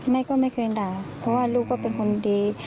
แม่ก็ไม่เคยด่าเพราะว่าลูกก็เป็นคนดี